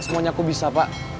semuanya aku bisa pak